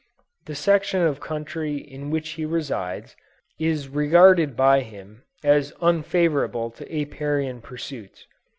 The section of country in which he resides, is regarded by him as unfavorable to Apiarian pursuits.